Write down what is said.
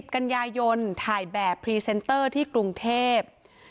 กันยายนถ่ายแบบพรีเซนเตอร์ที่กรุงเทพ